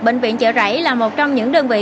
bệnh viện chợ rẫy là một trong những đơn vị